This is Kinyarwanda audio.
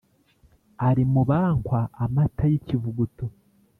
Ari mubankwa amata y’ ikivuguto